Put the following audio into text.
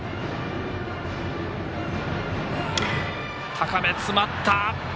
高め詰まった。